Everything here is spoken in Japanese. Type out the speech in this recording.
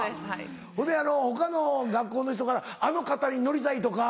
ほんで他の学校の人からあの肩に乗りたいとか。